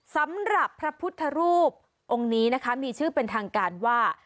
สำหรับพระพุทธรูปองค์นี้นะคะมีชื่อเป็นทางการว่า